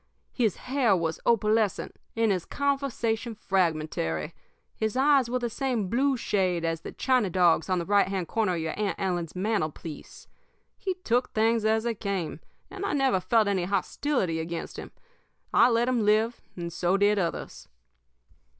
His hair was opalescent and his conversation fragmentary. His eyes were the same blue shade as the china dog's on the right hand corner of your Aunt Ellen's mantelpiece. He took things as they came, and I never felt any hostility against him. I let him live, and so did others.